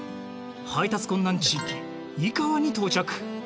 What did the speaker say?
配達困難地域井川に到着。